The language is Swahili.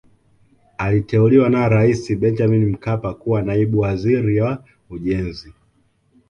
Aliteuliwa na Rais Benjamin Mkapa kuwa Naibu Waziri wa Ujenzi